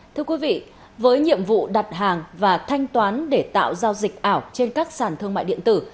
thưa quý vị với nhiệm vụ đặt hàng và thanh toán để tạo giao dịch ảo trên các sản thương mại điện tử